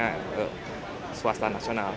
kita punya partner ke swasta nasional